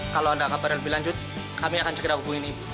kalau ada kabar lebih lanjut kami akan segera hubungin ibu